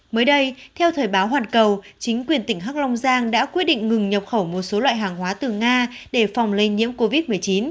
mới đây theo thời báo hoàn cầu chính quyền tỉnh hắc long giang đã quyết định ngừng nhập khẩu một số loại hàng hóa từ nga để phòng lây nhiễm covid một mươi chín